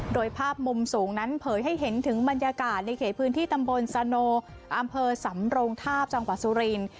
โดยภาพมุมสูงนั้นเผยให้เห็นถึงบรรยากาศในเขตพื้นที่ตำบลสโนอำเภอสำโรงทาบจังหวัดสุรินทร์